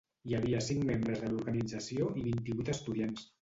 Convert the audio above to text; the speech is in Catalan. Hi havia cinc membres de l'organització i vint-i-vuit estudiants.